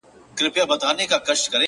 چوپ پاته كيږو نور زموږ خبره نه اوري څوك ـ